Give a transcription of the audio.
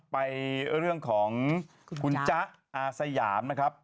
ไปเรื่องของคุณจ๊ะอาสยามนะครับ